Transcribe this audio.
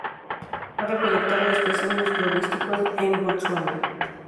Ha recolectado especímenes florísticos en Botsuana.